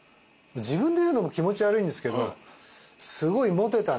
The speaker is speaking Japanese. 自分で言うのも気持ち悪いんですけど。